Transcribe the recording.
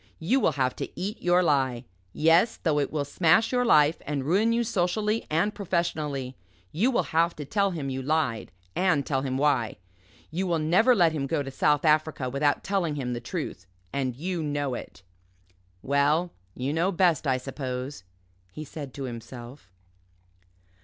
You will have to eat your lie. Yes though it will smash your life and ruin you socially and professionally. You will have to tell him you lied and tell him why. You will never let him go to South Africa without telling him the truth and you know it." "Well you know best, I suppose," he said to himself.